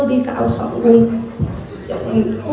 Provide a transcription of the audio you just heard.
vị cáo linh thừa đến phố